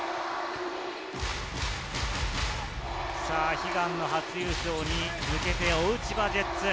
悲願の初優勝に向けて追う千葉ジェッツ。